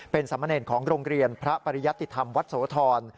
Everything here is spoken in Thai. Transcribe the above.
เป็นสามเณรของโรงเรียนพระปริยติธรรมวัดโสธร